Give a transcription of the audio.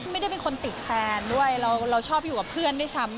ไม่ได้เป็นคนติดแฟนด้วยเราชอบอยู่กับเพื่อนด้วยซ้ำ